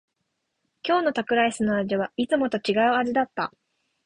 今日のタコライスの味はいつもと違う味だった。